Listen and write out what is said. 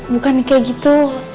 bukan kayak gitu